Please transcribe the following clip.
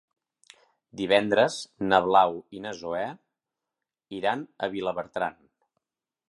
Divendres na Blau i na Zoè iran a Vilabertran.